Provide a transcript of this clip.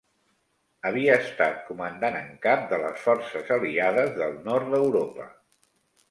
Havia estat comandant en cap de les forces aliades del nord d'Europa.